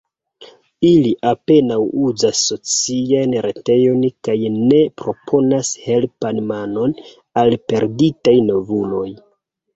Ili apenaŭ uzas sociajn retejojn kaj ne proponas helpan manon al perditaj novuloj.